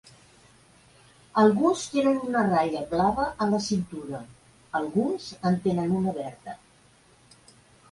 Alguns tenen una ratlla blava a la cintura, alguns en tenen una verda.